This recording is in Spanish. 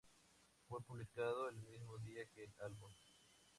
Fue publicado el mismo día que el álbum.